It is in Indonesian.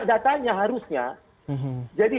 datanya harusnya jadi